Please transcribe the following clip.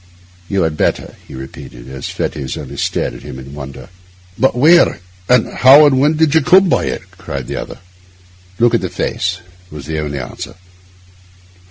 'You had better,' he repeated, as Fettes only stared at him in wonder. 'But where, and how, and when did you come by it?' cried the other. 'Look at the face,' was the only answer.